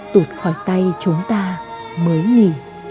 tụt khỏi tay chúng ta mới nghỉ